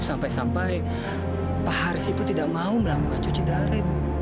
sampai sampai pak haris itu tidak mau melakukan cuci darah